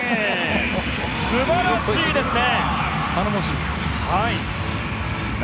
素晴らしいですね。